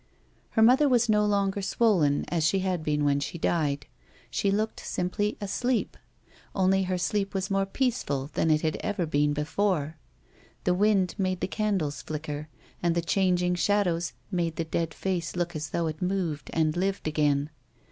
Her mother was no longer swollen as she had been when she died ; she looked simply asleep, only her sleep was more peaceful than it had ever been before ; the wind made the candles flicker, and the changing shadows made the dead face look as though it moved and lived again.